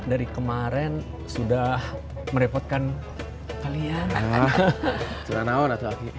dari kemarin sudah merepotkan kalian